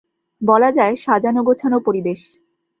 বলা যায় সাজানো গোছানো পরিবেশ।